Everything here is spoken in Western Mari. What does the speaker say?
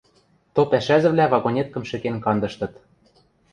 то пӓшӓзӹвлӓ вагонеткӹм шӹкен кандыштыт.